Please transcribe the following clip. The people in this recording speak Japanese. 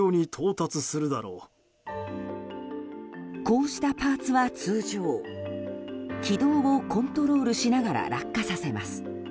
こうしたパーツは通常軌道をコントロールしながら落下させます。